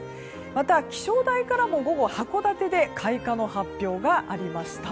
また、気象台からも午後函館で開花の発表がありました。